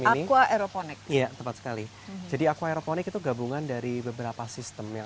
ini aku aeroponik iya tepat sekali jadi aku aeroponik itu gabungan dari beberapa sistem yang